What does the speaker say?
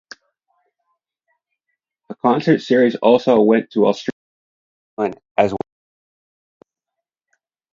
The concert series also went to Australia and New Zealand, as well Europe.